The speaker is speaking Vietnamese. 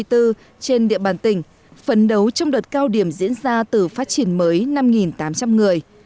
trên địa bàn tỉnh phấn đấu trong đợt cao điểm diễn ra từ phát triển mới năm tám trăm linh người